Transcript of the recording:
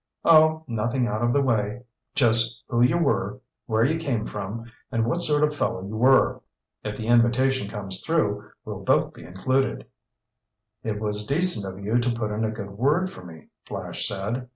"Oh, nothing out of the way. Just who you were, where you came from, and what sort of fellow you were. If the invitation comes through, we'll both be included." "It was decent of you to put in a good word for me," Flash said.